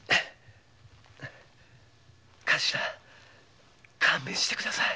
カシラ勘弁してください。